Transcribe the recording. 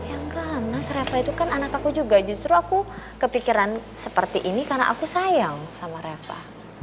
ya enggak lantas reva itu kan anak aku juga justru aku kepikiran seperti ini karena aku sayang sama reva